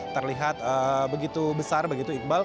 terlihat begitu besar begitu iqbal